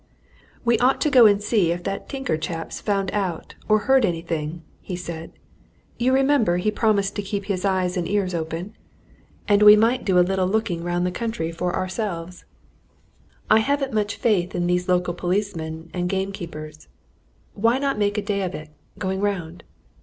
"We ought to go and see if that tinker chap's found out or heard anything," he said. "You remember he promised to keep his eyes and ears open. And we might do a little looking round the country for ourselves: I haven't much faith in those local policemen and gamekeepers. Why not make a day of it, going round?